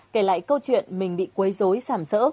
kể lại câu chuyện mình bị quấy dối sảm sỡ